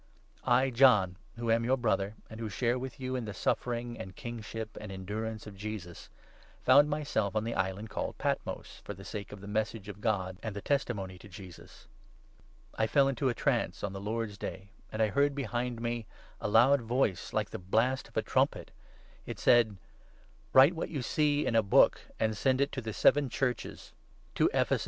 I, John, who am your Brother, and who share with you in 9 the suffering and kingship and endurance of Jesus, found my self on the island called Patmos, for the sake of the Message of God and the testimony to Jesus. I fell into a trance 10 on the Lord's Day, and I heard behind me a loud voice, like the blast of a trumpet. It said —' Write what you n see in a book and send it to the seven Churches, to Ephesus, 1 Dan. 2. 28. * Exod.